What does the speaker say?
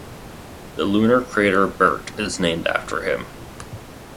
The lunar crater Birt is named after him.